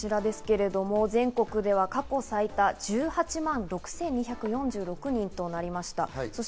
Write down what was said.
全国では過去最多１８万６２４６人となりました。